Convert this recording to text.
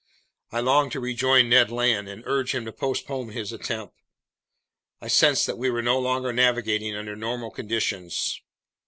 I longed to rejoin Ned Land and urge him to postpone his attempt. I sensed that we were no longer navigating under normal conditions.